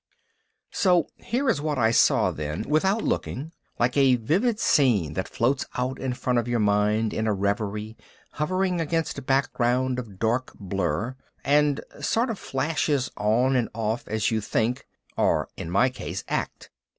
So here is what I saw then without looking, like a vivid scene that floats out in front of your mind in a reverie, hovering against a background of dark blur, and sort of flashes on and off as you think, or in my case act.